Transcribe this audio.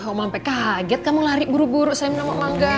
oma sampe kaget kamu lari buru buru salim sama oma angga